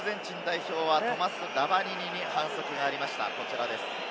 アルゼンチン代表はトマス・ラバニニに反則がありました。